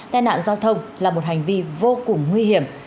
tai nạn giao thông là một hành vi vô cùng nguy hiểm